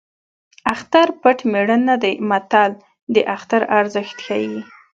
اختر پټ مېړه نه دی متل د اختر ارزښت ښيي